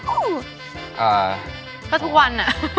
ก็ทุกวัน